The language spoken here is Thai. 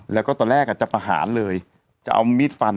แล้วก็ตอนแรกจะประหารเลยจะเอามีดฟัน